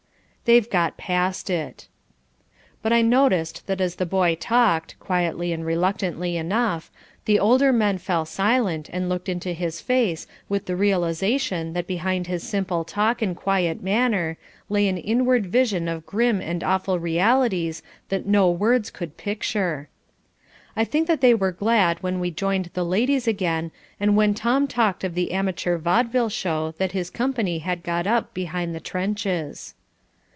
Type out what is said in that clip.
They've got past it. But I noticed that as the boy talked, quietly and reluctantly enough, the older men fell silent and looked into his face with the realisation that behind his simple talk and quiet manner lay an inward vision of grim and awful realities that no words could picture. I think that they were glad when we joined the ladies again and when Tom talked of the amateur vaudeville show that his company had got up behind the trenches.